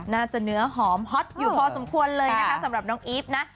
เนื้อหอมฮอตอยู่พอสมควรเลยนะคะสำหรับน้องอีฟนะ